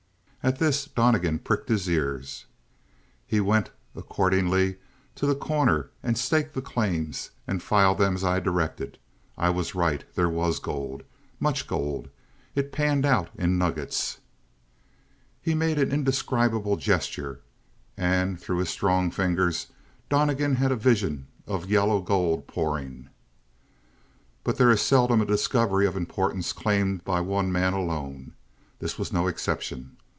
At this Donnegan pricked his ears. "He went, accordingly, to The Corner and staked the claims and filed them as I directed. I was right. There was gold. Much gold. It panned out in nuggets." He made an indescribable gesture, and through his strong fingers Donnegan had a vision of yellow gold pouring. "But there is seldom a discovery of importance claimed by one man alone. This was no exception.